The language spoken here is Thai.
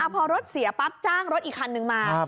พอรถเสียปั๊บจ้างรถอีกคันนึงมา